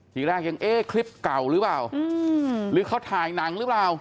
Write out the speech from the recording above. ทีแรกยังเอ๊ะคลิปเก่าหรือเปล่าหรือเขาถ่ายหนังหรือเปล่า